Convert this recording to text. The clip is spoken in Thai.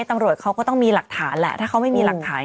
ตำรวจเขาก็ต้องมีหลักฐานแหละถ้าเขาไม่มีหลักฐาน